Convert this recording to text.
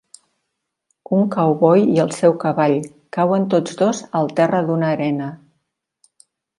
Un cowboy i el seu cavall cauen tots dos al terra d'una arena.